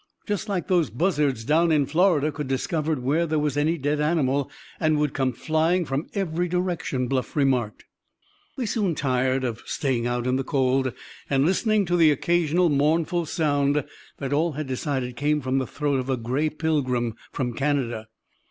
"Just like those buzzards down in Florida could discover where there was any dead animal, and would come flying from every direction," Bluff remarked. They soon grew tired of staying out in the cold, and listening to the occasional mournful sound that all had decided came from the throat of a gray pilgrim from Canada.